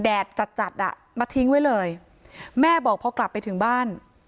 จัดจัดอ่ะมาทิ้งไว้เลยแม่บอกพอกลับไปถึงบ้าน